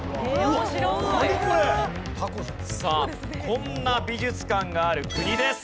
こんな美術館がある国です。